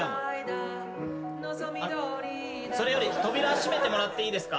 それより扉閉めてもらっていいですか？